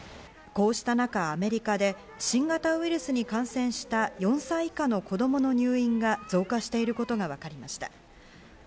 こうした中、アメリカで新型ウイルスに感染した４歳以下の子供の入院が増加していることが分かりました。